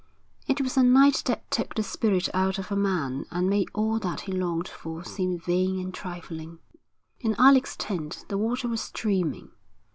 It was a night that took the spirit out of a man and made all that he longed for seem vain and trifling. In Alec's tent the water was streaming.